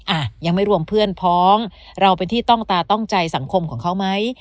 อ่ะยังไม่รวมเพื่อนพ้องเราเป็นที่ต้องตาต้องใจสังคมของเขาไหม